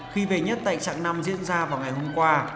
khi về nhất tại trạng năm diễn ra vào ngày hôm qua